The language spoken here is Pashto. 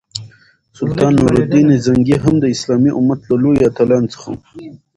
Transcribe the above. سلطان نور الدین زنګي هم د اسلامي امت له لویو اتلانو څخه وو.